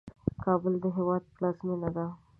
کابل د هیواد پلازمېنه ده.